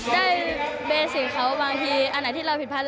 ได้เบสิกเขาบางทีอันไหนที่เราผิดพันธ